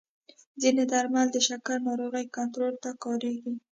ځینې درمل د شکر ناروغۍ کنټرول ته کارېږي.